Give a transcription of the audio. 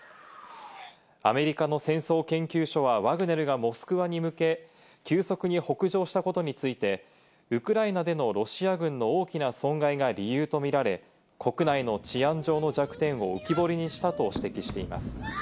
アメリカの戦争研究所はワグネルがモスクワに向け急速に北上したことについて、ウクライナでのロシア軍の大きな損害が理由とみられ、国内の治安上の弱点を浮き彫りにしたと指摘しています。